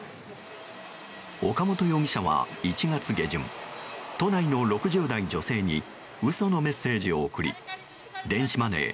岡本容疑者は１月下旬都内の６０代女性に嘘のメッセージを送り電子マネー